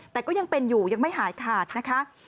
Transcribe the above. แต่ก็ยังเป็นอยู่ยังไม่หายขาดนะคะ